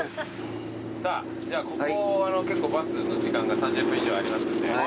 さあここ結構バスの時間が３０分以上ありますんで。